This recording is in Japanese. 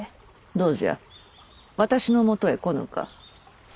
どうじゃ私のもとへ来ぬか？